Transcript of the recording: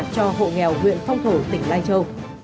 cho hộ nghèo huyện phong thổ tỉnh lai châu